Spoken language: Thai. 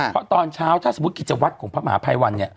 เพราะตอนเช้าถ้าสมมุติกิจวัตรของพระมหาภัยวันเนี่ย